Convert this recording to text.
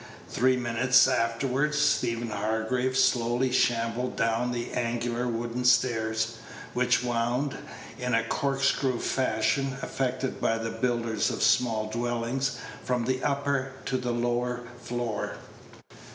Three minutes afterward Stephen Hargraves slowly shambled down the angular wooden stairs, which wound, in a corkscrew fashion affected by the builders of small dwellings, from the upper to the lower floor.